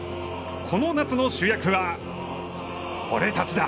この夏の主役は俺たちだ。